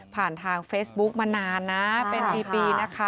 ผ่านทางเฟซบุ๊กมานานนะเป็นปีนะคะ